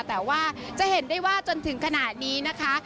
แต่ว่าจะเห็นได้ว่าจนถึงขณะนี้นะคะ